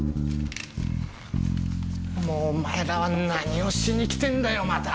もうお前らは何をしに来てんだよまた。